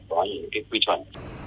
cần phải có những quy chuẩn